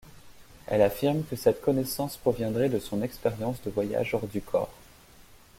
Elle affirme que cette connaissance proviendrait de son expérience de voyages hors du corps.